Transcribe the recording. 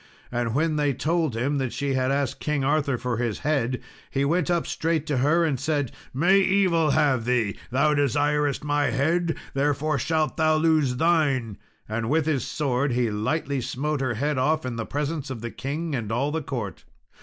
And when they told him that she had asked King Arthur for his head, he went up straight to her and said, "May evil have thee! Thou desirest my head, therefore shalt thou lose thine;" and with his sword he lightly smote her head off, in the presence of the king and all the court.